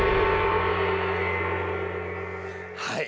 はい。